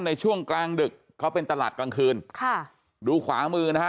ในช่วงกลางดึกเขาเป็นตลาดกลางคืนค่ะดูขวามือนะฮะ